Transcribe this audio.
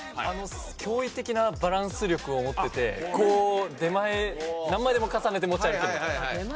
驚異的なバランス力を持っててこう出前何枚でも重ねて持ち歩ける。